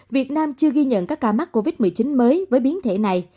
việt nam chưa ghi nhận các ca mắc covid một mươi chín mới với biến thể này